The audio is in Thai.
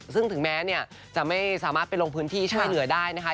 ซึ่งถึงแม้เนี่ยจะไม่สามารถไปลงพื้นที่ช่วยเหลือได้นะคะ